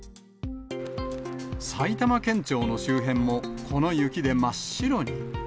埼玉県庁の周辺も、この雪で真っ白に。